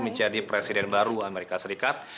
menjadi presiden baru amerika serikat